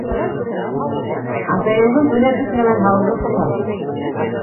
Атайыңдың түләп бөтмәгән һалымы ҡалған.